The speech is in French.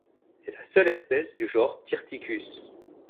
C'est la seule espèce du genre Ptyrticus.